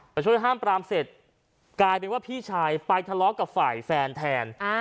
ไปช่วยห้ามปรามเสร็จกลายเป็นว่าพี่ชายไปทะเลาะกับฝ่ายแฟนแทน